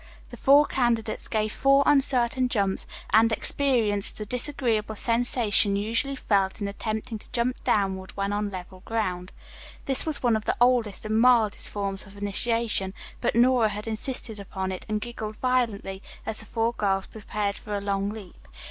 The four candidates gave four uncertain jumps and experienced the disagreeable sensation usually felt in attempting to jump downward when on level ground. This was one of the oldest and mildest forms of initiation, but Nora had insisted upon it, and giggled violently as the four girls prepared for a long leap.